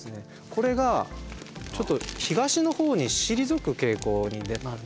これがちょっと東のほうに退く傾向になるんですね。